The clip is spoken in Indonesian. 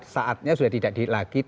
saatnya sudah tidak lagi